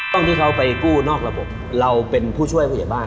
ต้องให้เขาไปกู้นอกระบบเป็นผู้ช่วยบาท